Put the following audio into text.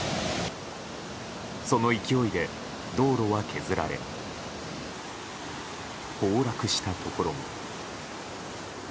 その勢いで、道路は削られ崩落したところも。